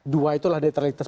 dua itulah netralitas